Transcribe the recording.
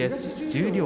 十両